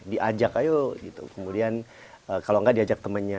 diajak ayo kemudian kalau nggak diajak temannya